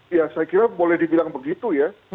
ya saya kira boleh dibilang begitu ya